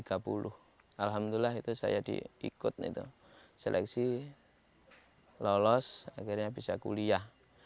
alhamdulillah itu saya diikut itu seleksi lolos akhirnya bisa kuliah